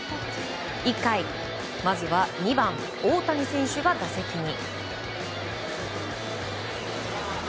１回、まずは２番、大谷選手が打席に。